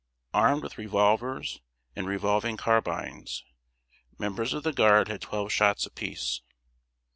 Armed with revolvers and revolving carbines, members of the Guard had twelve shots apiece.